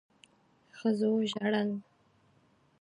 ښځو ژړل.